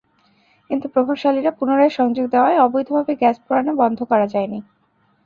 কিন্তু প্রভাবশালীরা পুনরায় সংযোগ দেওয়ায় অবৈধভাবে গ্যাস পোড়ানো বন্ধ করা যায়নি।